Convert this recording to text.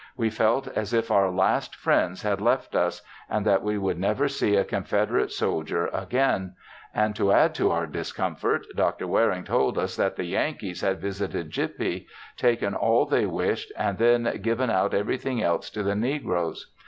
We felt as if our last friends had left us, and that we would never see a Confederate soldier again, and to add to our discomfort Dr. Waring told us that the Yankees had visited Gippy, taken all they wished, and then given out everything else to the negroes.